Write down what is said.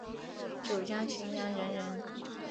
九江浔阳人人。